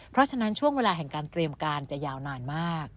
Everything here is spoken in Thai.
เพราะฉะนั้นช่วงเวลาแห่งการเตรียมการจะยาวนานมาก